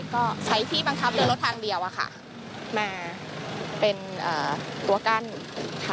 ก็ใช้ที่บังคับเดินรถทางเดียวอะค่ะมาเป็นตัวกั้นค่ะ